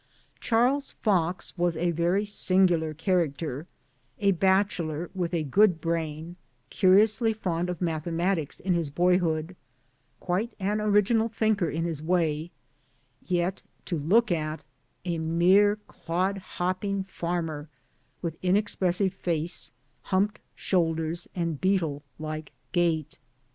Charles Fox was a very singular character a bachelor, with a good brain, curiously fond of mathematics in his boyhood, quite an original thinker in his way yet to look at, a mere clodhopping farmer with inexpressive face, humped shoulders, and beetle like gait.